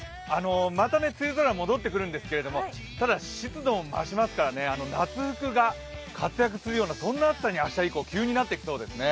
また梅雨空戻ってくるんですけど、湿度も増しますから夏服が活躍するような暑さに明日以降、急になってきそうですね。